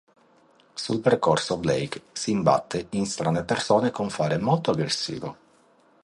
Sul percorso Blake si imbatte in strane persone con fare molto aggressivo.